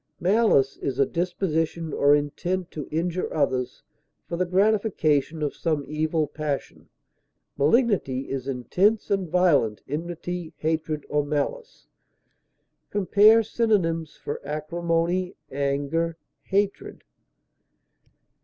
Malice is a disposition or intent to injure others, for the gratification of some evil passion; malignity is intense and violent enmity, hatred, or malice. Compare synonyms for ACRIMONY; ANGER; HATRED.